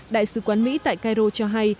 đại sứ quán mỹ tại cairo cho hay